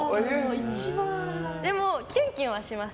でもキュンキュンはします